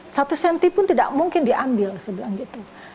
satu sentipun tidak mungkin diambil saya bilang gitu